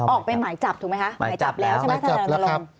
ออกเป็นหมายจับถูกไหมคะหมายจับแล้วหมายจับแล้วครับ